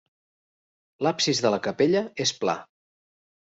L'absis de la capella és pla.